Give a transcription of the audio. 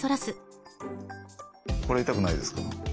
これ痛くないですか？